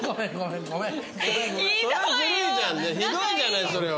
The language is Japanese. ひどいじゃないそれは。